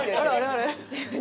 あれ？